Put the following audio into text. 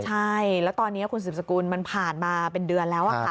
ใช่แล้วตอนนี้คุณสืบสกุลมันผ่านมาเป็นเดือนแล้วค่ะ